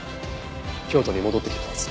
京都に戻ってきてたんです。